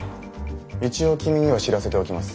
一応君には知らせておきます。